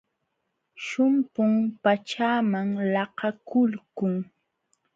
Shumpum pachaaman laqakulqun.